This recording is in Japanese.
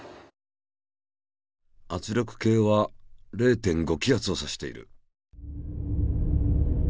圧力計は０．５気圧を指している。